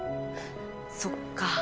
そっか。